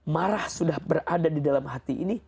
marah sudah berada di dalam hati ini